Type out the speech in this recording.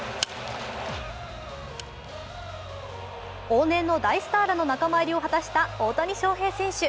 往年の大スターらの仲間入りを果たした大谷翔平選手。